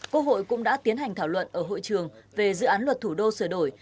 quốc hội cũng đã tiến hành thảo luận ở hội trường về dự án luật thủ đô sửa đổi